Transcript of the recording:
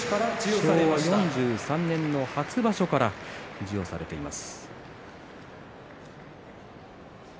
昭和４３年の初場所から授与されています。